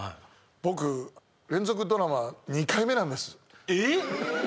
僕連続ドラマ２回目なんですええっ？